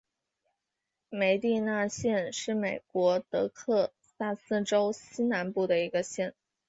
梅迪纳县是美国德克萨斯州西南部的一个县。